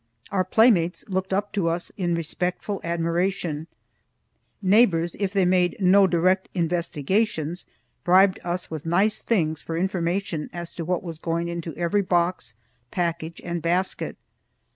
Our playmates looked up to us in respectful admiration; neighbors, if they made no direct investigations, bribed us with nice things for information as to what was going into every box, package and basket.